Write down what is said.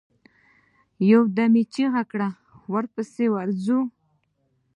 يودم يې چيغه کړه! پسې ورځو.